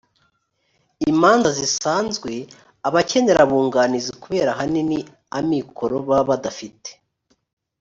imanza zisanzwe abakenera abunganizi kubera ahanini amikoro baba badafite